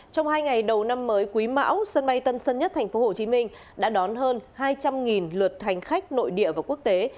trong hai ngày đầu năm mới quý mão sân bay tân sơn nhất tp hcm đã đón hơn hai trăm linh lượt hành khách nội địa và quốc tế